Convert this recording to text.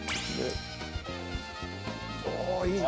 おおーいいな！